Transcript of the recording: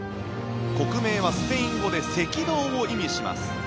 国名はスペイン語で赤道を意味します。